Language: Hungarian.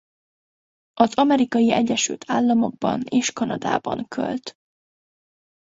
Az Amerikai Egyesült Államokban és Kanadában költ.